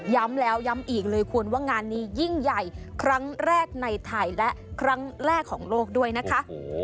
ย้ำแล้วย้ำอีกเลยคุณว่างานนี้ยิ่งใหญ่ครั้งแรกในไทยและครั้งแรกของโลกด้วยนะคะ